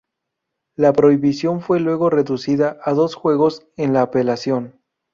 La prohibición fue luego reducida a dos juegos en la apelación.